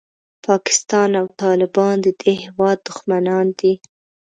پاکستان او طالبان د دې هېواد دښمنان دي.